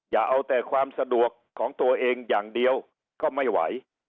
อย่าเอาแต่ความสะดวกของตัวเองอย่างเดียวก็ไม่ไหว